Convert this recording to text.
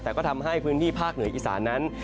แต่ก็ทำให้พื้นที่ภาคเหนืออีสานั้น